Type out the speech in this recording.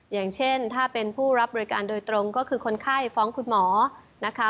อย่างเช่นถ้าเป็นผู้รับบริการโดยตรงก็คือคนไข้ฟ้องคุณหมอนะคะ